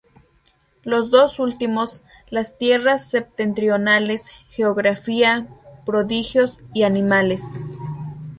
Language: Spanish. Los dos últimos, las tierras septentrionales: geografía, prodigios y animales.